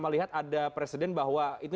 melihat ada presiden bahwa itu